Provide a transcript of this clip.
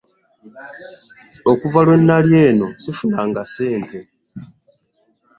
Okuva lwe nnali eno ssifunanga ssente.